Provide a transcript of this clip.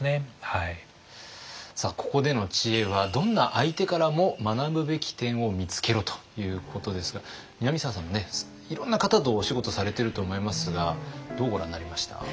さあここでの知恵は「どんな相手からも学ぶべき点を見つけろ！」ということですが南沢さんもねいろんな方とお仕事されてると思いますがどうご覧になりました？